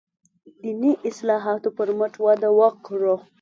دیني اصلاحاتو پر مټ وده وکړه.